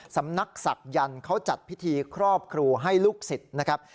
สำนักศักดิ์เขาจัดพิธีครอบครูให้ลูกศิษย์นะครับ